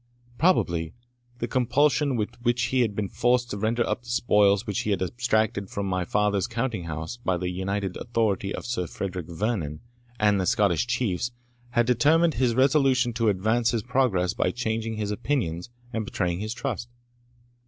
Probably the compulsion with which he had been forced to render up the spoils which he had abstracted from my father's counting house by the united authority of Sir Frederick Vernon and the Scottish Chiefs, had determined his resolution to advance his progress by changing his opinions and betraying his trust.